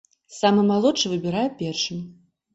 Самы малодшы выбірае першым.